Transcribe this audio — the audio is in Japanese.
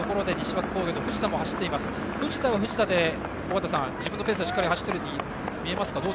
尾方さん、藤田は藤田で自分のペースでしっかり走っているふうにみえますか？